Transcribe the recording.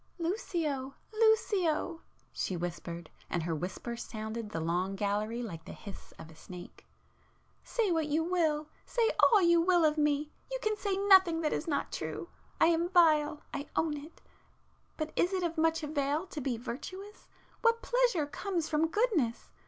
"Lucio! ... Lucio!" she whispered, and her whisper sounded through the long gallery like the hiss of a snake—"Say what you will—say all you will of me,—you can say nothing that is not true. I am vile—I own it. But is it of much avail to be virtuous? What pleasure comes from goodness?